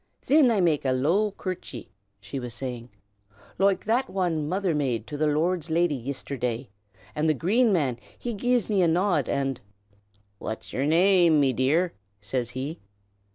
"Thin I makes a low curchy," she was saying, "loike that wan Mother made to the lord's lady yistherday, and the Green Man he gi'es me a nod, and "'What's yer name, me dear?' says he.